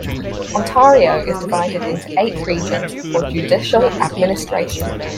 Ontario is divided into eight regions for judicial administration.